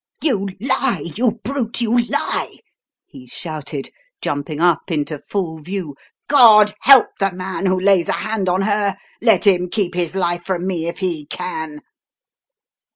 "You lie, you brute you lie!" he shouted, jumping up into full view. "God help the man who lays a hand on her! Let him keep his life from me if he can!"